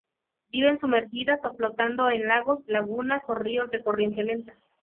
Viven sumergidas o flotando en lagos, lagunas o ríos de corriente lenta.